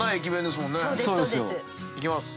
いきます。